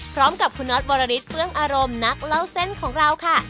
พร้อมกับคุณน็อตวรริสเฟื้องอารมณ์นักเล่าเส้นของเราค่ะ